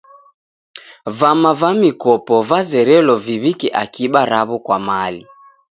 Vama va mikopo vazerelo viw'ike akiba ra'wo kwa mali.